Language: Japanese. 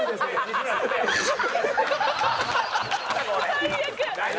最悪！